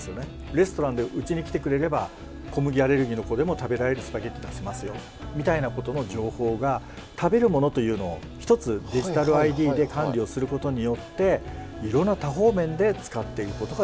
レストランでうちに来てくれれば小麦アレルギーの子でも食べられるスパゲッティ出せますよみたいなことの情報が食べるものというのを１つデジタルＩＤで管理をすることによっていろんな多方面で使っていくことができると。